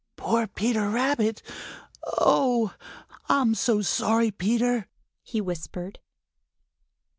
"Poor Peter Rabbit! Oh, I'm so sorry, Peter!" he whispered.